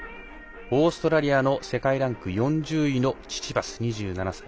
オーストラリアの世界ランク４０位のチチパス、２７歳。